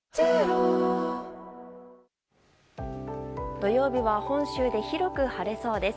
土曜日は本州で広く晴れそうです。